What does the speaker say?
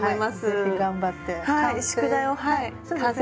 ぜひ頑張って完成。